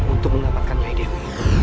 untuk mendapatkan lady dewi